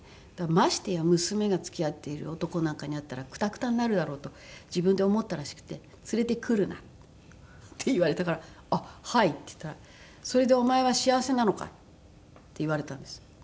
ましてや娘が付き合っている男なんかに会ったらくたくたになるだろうと自分で思ったらしくて「連れてくるな」って言われたから「あっはい」って言ったら「それでお前は幸せなのか？」って言われたんです。